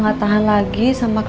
nomor satu hati hati syekh